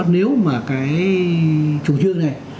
nếu mà cái trung cư này